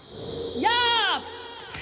やあ！